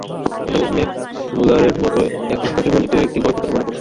অধ্যাপক ম্যাক্সমূলারের কোন এক পুস্তকে বর্ণিত একটি গল্পের কথা আমার মনে পড়িতেছে।